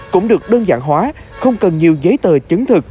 cũng được đơn giản hóa không cần nhiều giấy tờ chứng thực